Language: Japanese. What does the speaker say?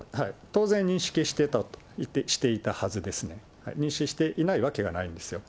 当然、認識していたと、していたはずですね。認識していないわけがないんですよ。